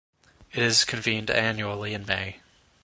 It is convened annually in May.